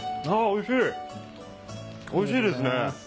おいしいですね。